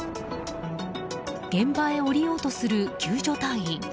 現場へ降りようとする救助隊員。